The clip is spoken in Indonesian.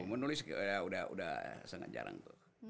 menulis udah sangat jarang tuh